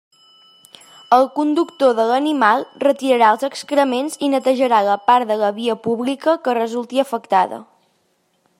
El conductor de l'animal retirarà els excrements i netejarà la part de la via pública que resulti afectada.